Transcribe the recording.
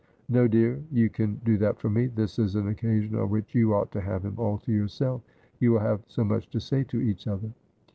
' No, dear ; you can do that for me. This is an occasion on which you ought to have him all to yourself. You will have so much to say to each other.'